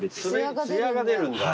つやが出るんだ。